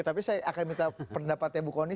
tapi saya akan minta pendapatnya bu kony